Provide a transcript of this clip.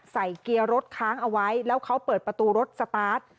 เกียร์รถค้างเอาไว้แล้วเขาเปิดประตูรถสตาร์ท